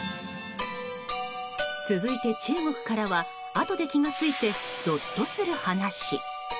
続いて、中国からはあとで気が付いてゾッとする話。